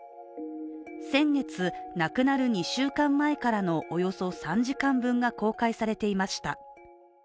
先月、亡くなる２週間前からのおよそ３時間分が公開されていました。